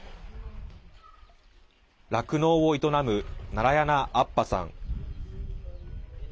酪農を営むナラヤナアッパさん。